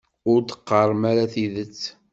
Ur d-qqarem ara tidet.